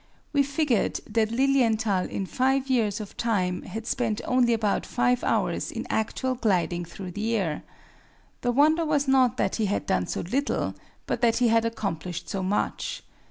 We figured that Lilienthal in five years of time had spent only about five hours in actual gliding through the air. The wonder was not that he had done so little, but that he had accomplished so much.